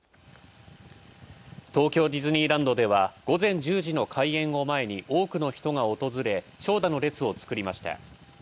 東京ディズニーランドでは午前１０時の開園を前に多くの人が訪れ、長蛇の列を作りました。